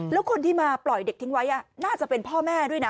แล้วคนที่มาปล่อยเด็กทิ้งไว้น่าจะเป็นพ่อแม่ด้วยนะ